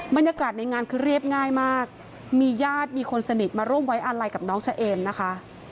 บรรยากาศในงานคือเรียบง่ายมากมีญาติมีคนสนิทมาร่วมไว้อาลัยกับน้องเฉเอมนะคะ